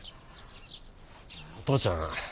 お父ちゃん